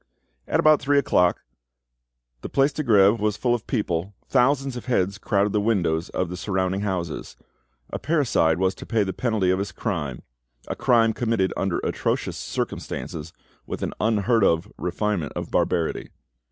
At about three o'clock, the Place de Greve was full of people, thousands of heads crowded the windows of the surrounding houses. A parricide was to pay the penalty of his crime—a crime committed under atrocious circumstances, with an unheard of refinement of barbarity.